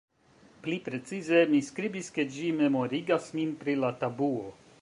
Pli precize, mi skribis ke ĝi "memorigas min" pri la tabuo.